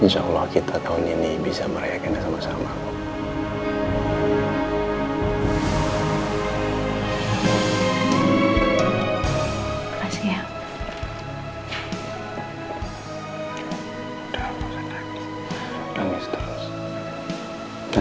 sampai jumpa di video selanjutnya